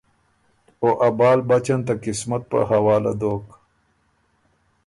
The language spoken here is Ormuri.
او ا بال بچ ان ته قسمت په حواله دوک،